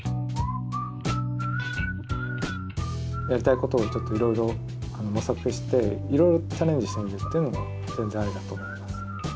やりたいことをちょっといろいろ模索していろいろチャレンジしてみるっていうのも全然ありだと思います。